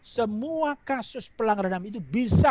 semua kasus pelanggaran ham itu bisa